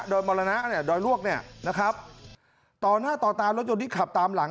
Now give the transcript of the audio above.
โดยมรณะเนี่ยดอยลวกเนี่ยนะครับต่อหน้าต่อตารถยนต์ที่ขับตามหลัง